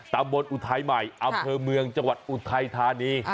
อุทัยใหม่อำเภอเมืองจังหวัดอุทัยธานี